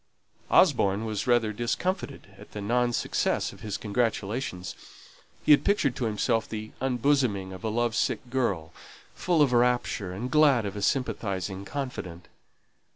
Osborne was rather discomfited at the non success of his congratulations; he had pictured to himself the unbosoming of a love sick girl, full of rapture, and glad of a sympathizing confidant.